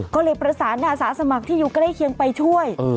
ก็เลยประสานอาสาสมัครที่อยู่ใกล้เคียงไปช่วย